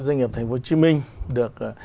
doanh nghiệp tp hcm được